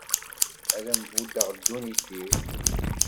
Ad am-buddeɣ ddunit-iw.